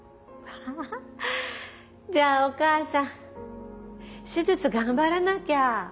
アハハじゃあお母さん手術頑張らなきゃ。